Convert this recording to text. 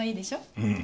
うん。